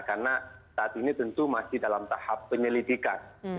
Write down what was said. karena saat ini tentu masih dalam tahap penyelidikan